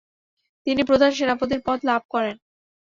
তিনি প্রধান সেনাপতির পদ লাভ করেন।